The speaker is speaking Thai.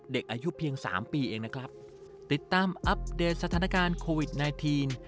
เด็กอายุเพียงสามปีเองนะครับติดตามอัปเดตสถานการณ์โควิดไนทีน